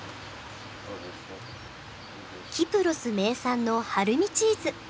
キプロス名産のハルミチーズ。